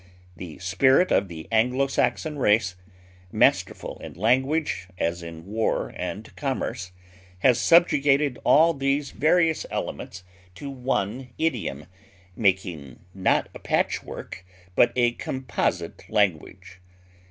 The spirit of the Anglo Saxon race, masterful in language as in war and commerce, has subjugated all these various elements to one idiom, making not a patchwork, but a composite language.